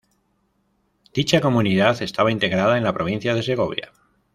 Dicha comunidad estaba integrada en la provincia de Segovia.